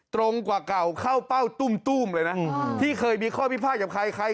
ตรงกว่าเก่าเข้าเป้าตุ้มเลยนะที่เคยมีข้อพิพาทกับใครใคร